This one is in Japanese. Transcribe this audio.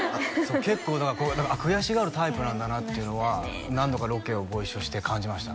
結構だからこう悔しがるタイプなんだなっていうのは何度かロケをご一緒して感じました